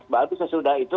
bahkan sesudah itu